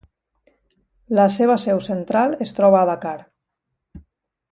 La seva seu central es troba a Dakar.